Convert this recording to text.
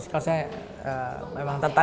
jika tidak mereka harus berkontor